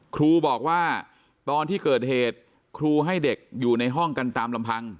ครูบอกว่าตอนที่เกิดเหตุครูให้เด็กอยู่ในห้องกันตามลำพัง